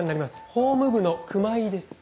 法務部の熊井です。